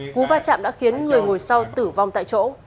cú va chạm đã khiến người ngồi sau tử vong tại chỗ